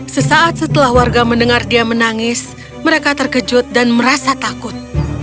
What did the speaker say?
sesaat setelah warga mendengar dia menangis mereka terkejut dan merasa takut